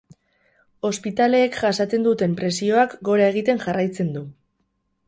Ospitaleek jasaten duten presioak gora egiten jarraitzen du.